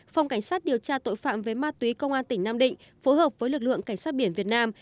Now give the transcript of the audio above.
phòng cảnh sát điều tra tội phạm về ma túy công an tỉnh nam định phối hợp với lực lượng cảnh sát biển việt nam